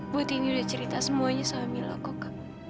bu tini udah cerita semuanya sama mila kok